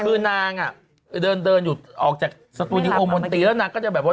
คือนางอ่ะเดินอยู่ออกจากสตูดิโอมนตรีแล้วนางก็จะแบบว่า